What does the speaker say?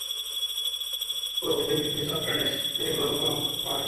ভালো প্রস্তুতির পরও পরীক্ষা পেছানোর কারণে শিক্ষার্থীরা ভালো ফলাফল করতে পারেনি।